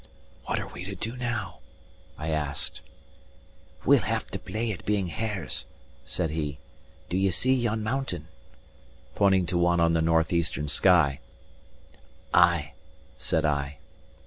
"What are we to do now?" I asked. "We'll have to play at being hares," said he. "Do ye see yon mountain?" pointing to one on the north eastern sky. "Ay," said I.